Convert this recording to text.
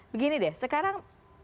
begini deh sekarang